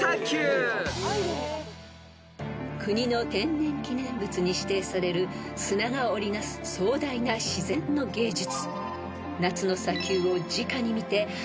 ［国の天然記念物に指定される砂が織りなす壮大な自然の芸術］